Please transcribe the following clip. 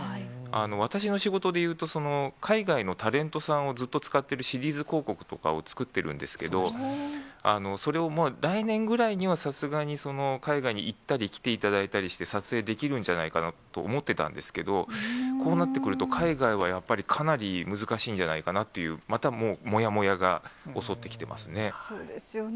私の仕事でいうと、その海外のタレントさんをずっと使ってるシリーズ広告とかを作ってるんですけど、それを来年ぐらいには、さすがに海外に行ったり、来ていただいたりして、撮影できるんじゃないかなと思ってたんですけど、こうなってくると、海外はやっぱりかなり難しいんじゃないかなっていう、またもやもそうですよね。